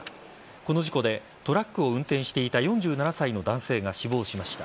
この事故でトラックを運転していた４７歳の男性が死亡しました。